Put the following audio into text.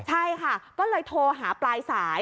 ใช่ค่ะก็เลยโทรหาปลายสาย